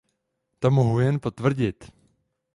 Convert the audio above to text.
To mohu jen potvrdit.